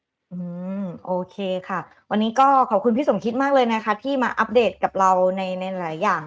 อืมโอเคค่ะวันนี้ก็ขอบคุณพี่สมคิดมากเลยนะคะที่มาอัปเดตกับเราในในหลายอย่าง